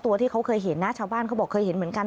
ตัวที่เขาเคยเห็นนะชาวบ้านเขาบอกเคยเห็นเหมือนกัน